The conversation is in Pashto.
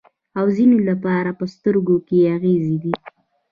او د ځینو لپاره په سترګو کې اغزی دی.